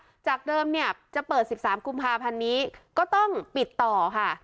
ออกจากเดิมจะเปิด๑๓กุมภาพันธุ์นี้ก็ต้องปิดต่อฮะ